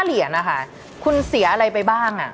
เหรียญนะคะคุณเสียอะไรไปบ้าง